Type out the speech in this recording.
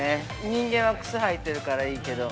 人間は靴はいてるからいいけど。